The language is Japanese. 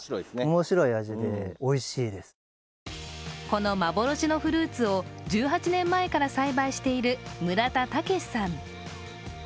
この幻のフルーツを１８年前から栽培している村田武さん。